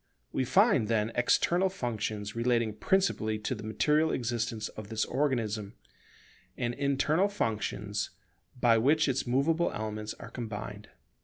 We find, then, external functions relating principally to the material existence of this organism; and internal functions by which its movable elements are combined.